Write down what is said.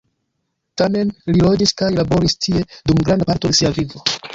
Tamen, li loĝis kaj laboris tie dum granda parto de sia vivo.